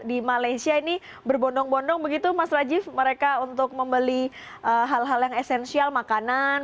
di malaysia ini berbondong bondong begitu mas rajiv mereka untuk membeli hal hal yang esensial makanan